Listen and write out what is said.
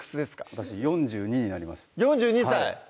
私４２になります４２歳！